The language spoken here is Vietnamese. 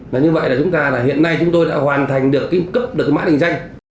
như vậy là chúng ta hiện nay chúng tôi đã hoàn thành được cái cấp được cái mã đình danh